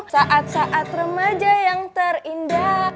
saat saat remaja yang terindah